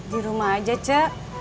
di rumah aja ce